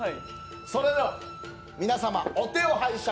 それでは皆様、お手を拝借。